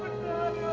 amatlah ya allah